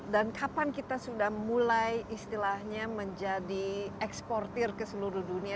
dan kapan kita sudah mulai istilahnya menjadi eksportir ke seluruh dunia